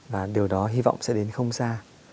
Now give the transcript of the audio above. và điều đó hy vọng sẽ đến không xa